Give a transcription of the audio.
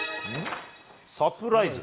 サプライズ。